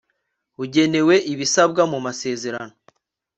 ugenewe ibisabwa mu masezerano